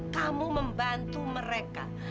kamu membantu mereka